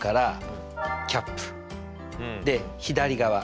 で左側。